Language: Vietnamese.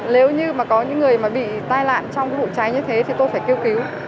nếu như mà có những người mà bị tai nạn trong vụ cháy như thế thì tôi phải kêu cứu